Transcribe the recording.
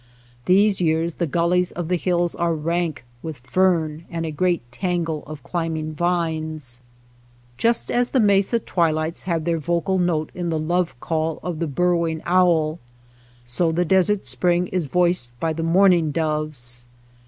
These years the gullies of the hills are rank with fern and a great tangle of climbing vines. Just as the mesa twilights have their vocal note in the love call of the burrow ing owl, so the desert spring is voiced by the mourning doves.